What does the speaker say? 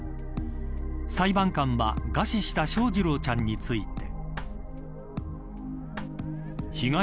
裁判官は餓死した翔士郎ちゃんについて。